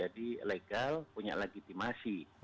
dilegal punya legitimasi